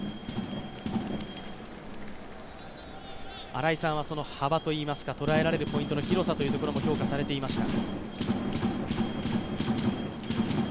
新井さんは幅といいますか捉えられるポイントの広さも評価されていました。